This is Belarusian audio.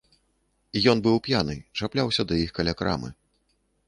Ён быў п'яны, чапляўся да іх каля крамы.